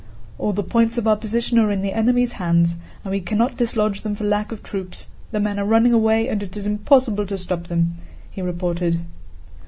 "All the points of our position are in the enemy's hands and we cannot dislodge them for lack of troops, the men are running away and it is impossible to stop them," he reported.